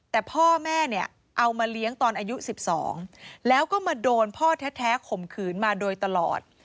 แต่พ่อแม่เนี่ยเอามาเลี้ยงตอนอายุ๑๒แล้วก็มาโดนพ่อแท้ข่มขืนมาโดยตลอด